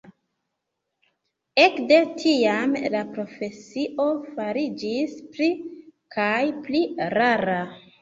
Ekde tiam la profesio fariĝis pli kaj pli rara.